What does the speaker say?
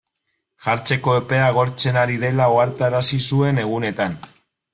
Jartzeko epea agortzen ari dela ohartarazi zuen egunetan.